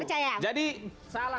sekarang sudah selesai